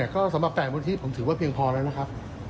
ก็สำหรับแบบว่าที่ผมถือว่าเพียงพอแล้วนะ